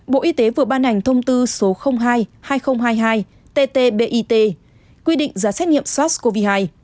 bộ y tế vừa ban hành thông tư hai hai nghìn hai mươi hai ttbit quy định giá xét nghiệm sars cov hai